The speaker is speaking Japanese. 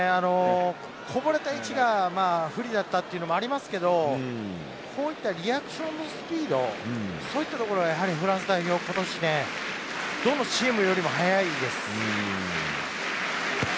こぼれた位置が不利だったというのもありますけど、こういったリアクションのスピード、そういったところ、やっぱりフランス代表は今年、どのチームよりも速いんです。